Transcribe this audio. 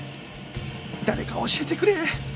誰か教えてくれ！